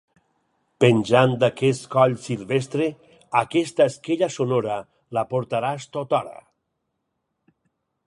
Penjant d'aquest coll silvestre, aquesta esquella sonora la portaràs tothora.